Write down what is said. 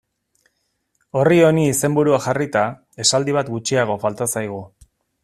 Orri honi izenburua jarrita, esaldi bat gutxiago falta zaigu.